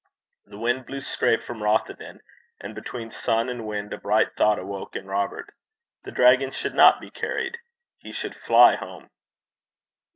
The wind blew straight from Rothieden, and between sun and wind a bright thought awoke in Robert. The dragon should not be carried he should fly home.